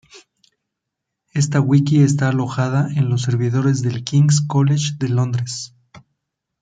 Esta Wiki está alojada en los servidores del King's College de Londres.